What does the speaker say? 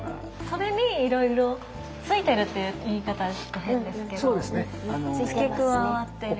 それにいろいろついてるっていう言い方はちょっと変ですけど付け加わってる。